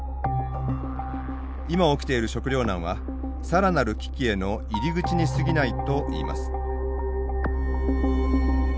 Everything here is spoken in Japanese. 今起きている食料難はさらなる危機への入り口にすぎないといいます。